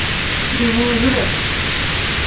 Duvuuzire.